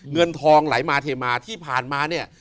เงินทองไหลมาเทมาที่ผ่านมาเนี่ย